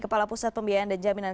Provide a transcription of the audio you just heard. kepala pusat pembiayaan dan jaminan